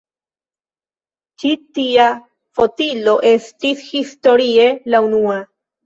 Ĉi tia fotilo estis historie la unua.